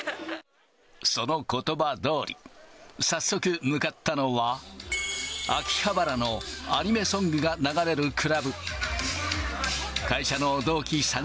そのことばどおり、早速向かったのは、秋葉原のアニメソングが流れるクラブ。